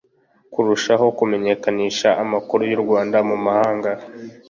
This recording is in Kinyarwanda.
kurushaho kumenyekanisha amakuru y'u rwanda mu mahanga